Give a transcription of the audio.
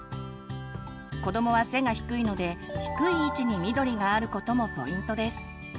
子どもは背が低いので低い位置に緑があることもポイントです。